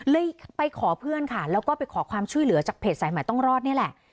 เลยไปขอเพื่อนค่ะแล้วก็ไปขอความช่วยเหลือจากเพจสายใหม่ต้องรอดนี่แหละ